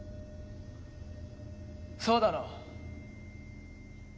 そうだろ？